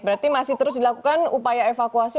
berarti masih terus dilakukan upaya evakuasi